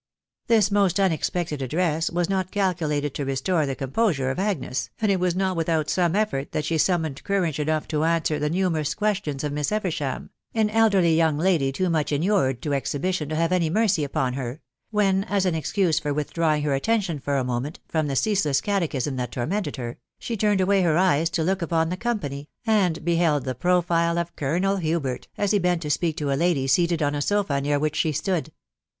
This most unexpected address was not calculated to restore the composure of Agnes, and it was not without some effort that she summoned courage enough to answer the numerous questions of Miss Eversham, (an elderly young lady too much inured to exhibition to have any mercy upon her,) when, as an excuse for withdrawing her attention for a moment from the ceaseless catechism that tormented her, she turned away her eyes to look upon the company, and beheld the profile of Colonel Hubert, as he bent to speak to a lady seated on a sofa near which he stood.